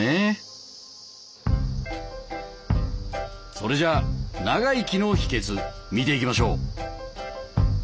それじゃあ長生きの秘訣見ていきましょう。